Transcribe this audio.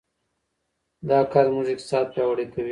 دا کار زموږ اقتصاد پیاوړی کوي.